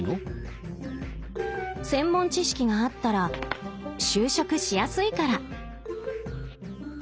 専門知識があったら就職しやすいから。